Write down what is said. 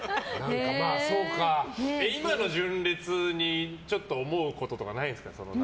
今の純烈にちょっと思うこととかないんですか。